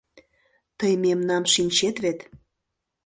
Тый мемнам шинчет вет.